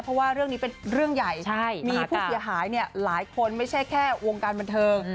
เพราะว่าเรื่องนี้เป็นเรื่องใหญ่มีผู้เสียหายหลายคนไม่ใช่แค่วงการบันเทิง